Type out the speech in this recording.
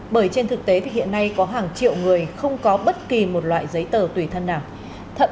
bởi trên thực tế thì hiện nay có hàng triệu người không có bất kỳ một loại giấy tờ tùy thân nào